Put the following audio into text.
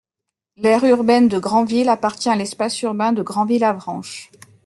L’aire urbaine de Granville appartient à l’espace urbain de Granville-Avranches.